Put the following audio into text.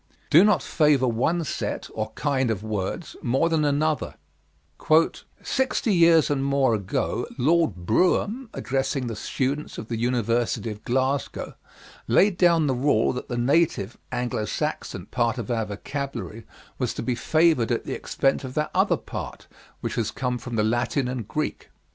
Do not Favor one Set or Kind of Words more than Another "Sixty years and more ago, Lord Brougham, addressing the students of the University of Glasgow, laid down the rule that the native (Anglo Saxon) part of our vocabulary was to be favored at the expense of that other part which has come from the Latin and Greek.